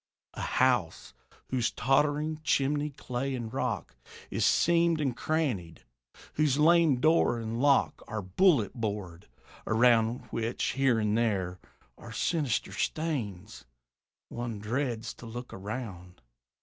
A house, whose tottering chimney, clay and rock, Is seamed and crannied; whose lame door and lock Are bullet bored; around which, there and here, Are sinister stains. One dreads to look around.